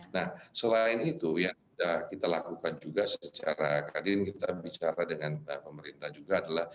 nah selain itu yang sudah kita lakukan juga secara kadin kita bicara dengan pemerintah juga adalah